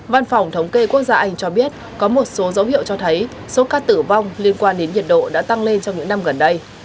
văn phòng thống kê quốc gia anh cho biết có một số dấu hiệu cho thấy số ca tử vong liên quan đến nhiệt độ đã tăng lên trong những năm gần đây